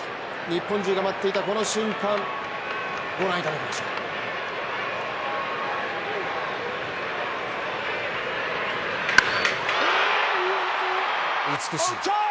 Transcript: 日本中が待っていたこの瞬間ご覧いただきましょう。